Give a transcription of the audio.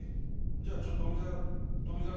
じゃあちょっと富澤。